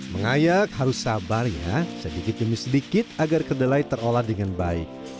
mengayak harus sabar ya sedikit demi sedikit agar kedelai terolah dengan baik